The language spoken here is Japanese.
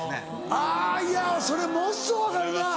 あぁいやそれものすごい分かるな。